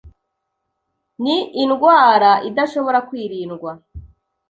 Ni indwara idashobora kwirindwa.